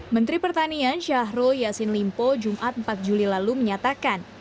menteri pertanian syahrul yassin limpo jumat empat juli lalu menyatakan